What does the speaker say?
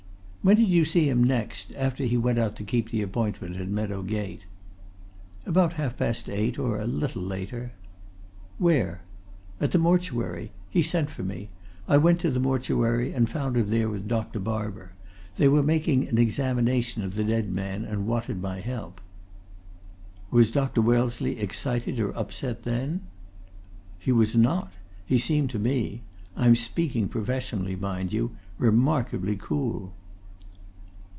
"When did you see him next, after he went out to keep the appointment in Meadow Gate?" "About half past eight, or a little later." "Where?" "At the mortuary. He sent for me. I went to the mortuary, and found him there with Dr. Barber. They were making an examination of the dead man and wanted my help." "Was Dr. Wellesley excited or upset then?" "He was not. He seemed to me I'm speaking professionally, mind you remarkably cool."